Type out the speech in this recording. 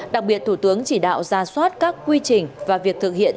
đặc biệt thủ tướng chỉ đạo ra soát các quy trình và việc thực hiện